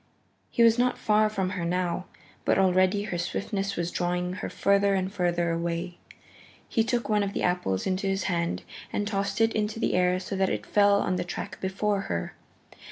He was not far from her now, but already her swiftness was drawing her further and further away. He took one of the apples into his hand and tossed it into the air so that it fell on the track before her.